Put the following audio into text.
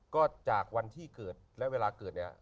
ก็จากวันที่เกิดและเวลาเกิดเนี่ย